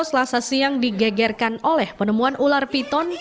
selasa siang digegerkan oleh penemuan ular piton